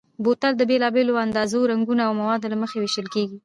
بوتل د بېلابېلو اندازو، رنګونو او موادو له مخې وېشل کېږي.